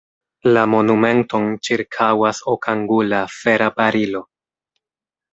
La monumenton ĉirkaŭas okangula, fera barilo.